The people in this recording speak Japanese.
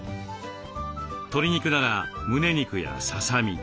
鶏肉ならむね肉やささみ。